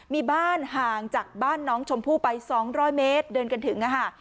มีบ้านห่างจากบ้านน้องชมพู่ไป๒๐๐เมตรเดินกันถึงนะคะ